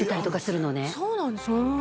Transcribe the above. そうなんですか？